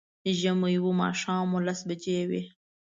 ژمی و، ماښام و، لس بجې وې